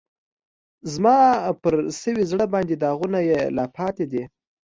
زما پر سوي زړه باندې داغونه یې لا پاتی دي